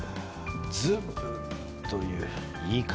ズブという言い方。